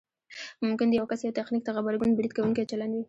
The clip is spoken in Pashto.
ممکن د یو کس یوه تخنیک ته غبرګون برید کوونکی چلند وي